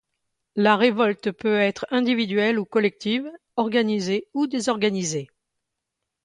La révolte peut être individuelle ou collective, organisée ou désorganisée.